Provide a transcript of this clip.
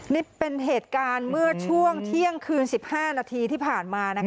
นี่เป็นเหตุการณ์เมื่อช่วงเที่ยงคืน๑๕นาทีที่ผ่านมา